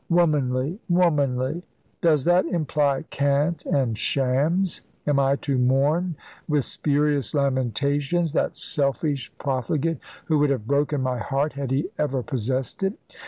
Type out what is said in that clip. Womanly! womanly! does that imply cant and shams? Am I to mourn with spurious lamentations that selfish profligate, who would have broken my heart had he ever possessed it?